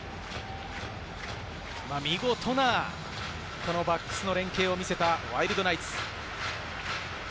見事なバックスの連携を見せたワイルドナイツ。